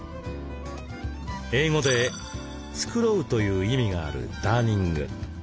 英語で「繕う」という意味があるダーニング。